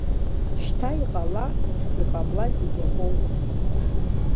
Шьҭа иҟала-иҟамла, зегь акоуп.